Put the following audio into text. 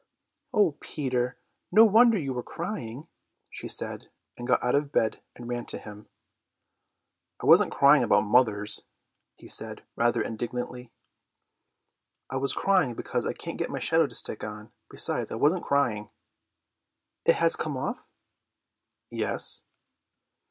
"O Peter, no wonder you were crying," she said, and got out of bed and ran to him. "I wasn't crying about mothers," he said rather indignantly. "I was crying because I can't get my shadow to stick on. Besides, I wasn't crying." "It has come off?" "Yes."